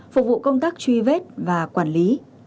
phục vụ công tác truy vết và quản lý